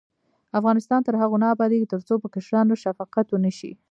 افغانستان تر هغو نه ابادیږي، ترڅو پر کشرانو شفقت ونشي.